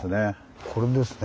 これですね。